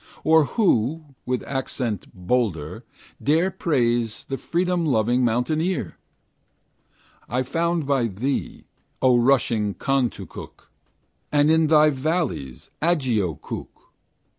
Or who, with accent bolder, Dare praise the freedom loving mountaineer? I found by thee, O rushing Contoocook! And in thy valleys, Agiochook!